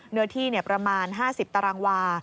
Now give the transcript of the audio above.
เนื้อที่เนี่ยประมาณ๕๐ตรังวา